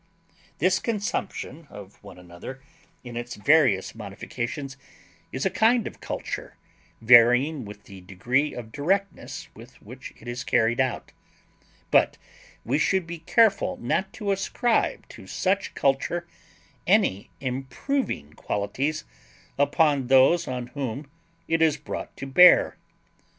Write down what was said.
This consumption of one another in its various modifications is a kind of culture varying with the degree of directness with which it is carried out, but we should be careful not to ascribe to such culture any improving qualities upon those on whom it is brought to bear.